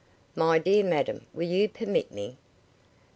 My dear madam, will you permit me?"